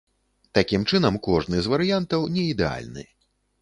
Такім чынам, кожны з варыянтаў неідэальны.